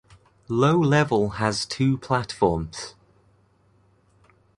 Low Level has two platforms.